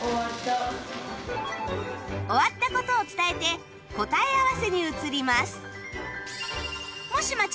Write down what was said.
終わった事を伝えて答え合わせに移ります